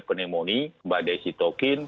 penemoni badai sitokin